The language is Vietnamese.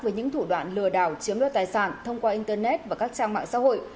với những thủ đoạn lừa đảo chiếm đoạt tài sản thông qua internet và các trang mạng xã hội